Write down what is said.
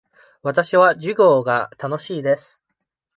わたしは授業が楽しいです。